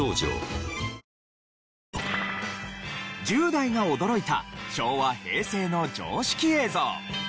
１０代が驚いた昭和・平成の常識映像。